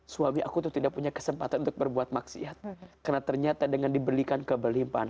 suami aku tuh tidak punya kesempatan untuk berbuat maksiat karena ternyata dengan diberikan keberlimpahan